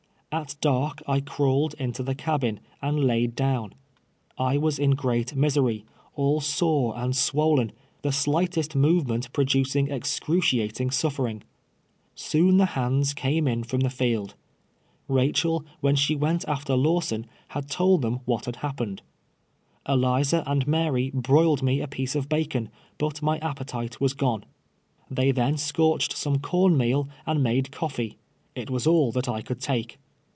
At dark I crawled into the cabin, and laid down. I was in great misery — all sore and swollen — the slightest movement pi odiicing excruci ating suffering. Soon the hands came in from the field. Ivachel, M'hen she went after Lawson, had told them what had happened. Eliza and Mary broiled me a piece of bacon, but my appetite was gone. Then they scorched some corn meal and made coffee. It was all that I could take.